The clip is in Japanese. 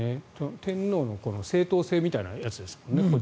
天皇の正統性みたいなものですからね。